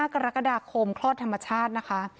กรกฎาคมคลอดธรรมชาตินะคะ